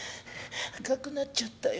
赤くなっちゃったよ。